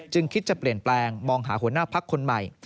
จึงคิดจะเปลี่ยนแปลงมองหาหัวหน้าพักคนใหม่